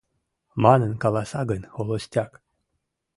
Манын каласа гын холостяк